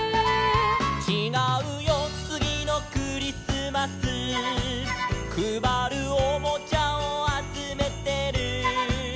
「ちがうよつぎのクリスマス」「くばるおもちゃをあつめてる」